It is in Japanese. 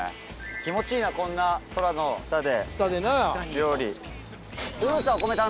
気持ちいいな、こんな空の下で。